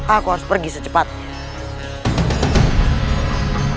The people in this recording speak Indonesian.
aku harus pergi secepatnya